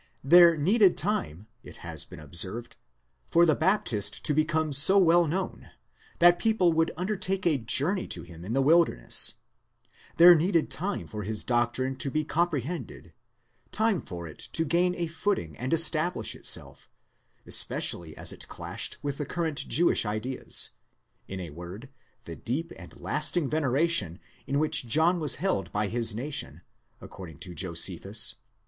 There needed time, it has been observed, for the Baptist to become so well known, that people would undertake a journey to him in the wilderness; there needed time for his doctrine to be comprehended, time for it to gain a foot ing and establish itself, especially as it clashed with the current Jewish ideas ; in a word, the deep and lasting veneration in which John was held by his nation, according to Josephus?